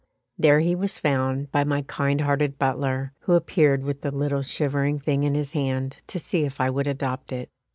There he was found by my kind hearted butler, who appeared with the little shivering thing in his hand to see if I would adopt it.